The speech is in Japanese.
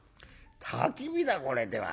たき火だこれではあ。